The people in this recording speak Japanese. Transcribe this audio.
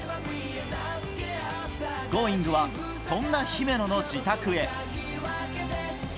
Ｇｏｉｎｇ！はそんな姫野の自宅へ。